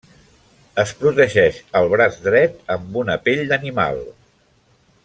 Es protegeix el braç dret amb una pell d'animal.